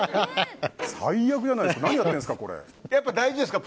最悪じゃないですか。